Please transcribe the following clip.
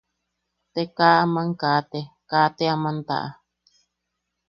Te kaa aman kate, kaa te aman taʼa.